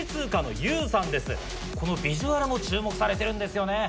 このビジュアルも注目されてるんですよね。